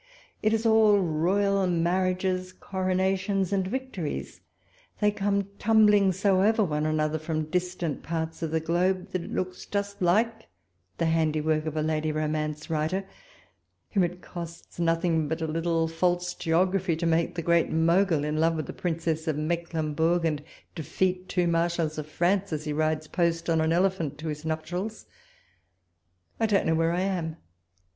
It is all royal mar riages, coronations, and victories ; they come tumbling so over one another from distant parts of the globe, that it looks just like the handy work of a lady romance writer, whom it costs nothing but a little false geography to make the Great Mogul in love with a Princess of Mecklen burgh, and defeat two marshals of France as he rides post on an elephant to his nuptials. I don't know where I am.